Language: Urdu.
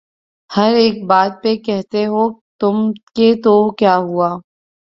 ہر ایک بات پہ کہتے ہو تم کہ تو کیا ہے